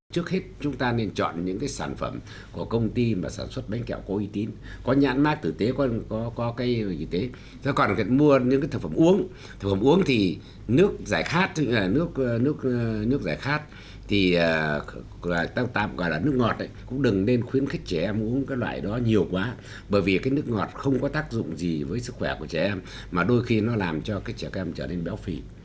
trước hết chúng ta nên chọn những cái sản phẩm của công ty mà sản xuất bánh kẹo có uy tín có nhãn mác tử tế có cây kỳ tế còn cần mua những cái thực phẩm uống thực phẩm uống thì nước giải khát nước giải khát thì ta gọi là nước ngọt ấy cũng đừng nên khuyến khích trẻ em uống cái loại đó nhiều quá bởi vì cái nước ngọt không có tác dụng gì với sức khỏe của trẻ em mà đôi khi nó làm cho cái trẻ em trở nên béo phì